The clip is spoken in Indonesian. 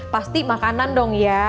pasti makanan dong ya